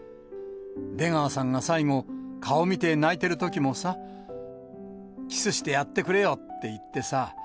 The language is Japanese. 出川さんが最後、顔見て泣いてるときもさ、キスしてやってくれよって言ってさ。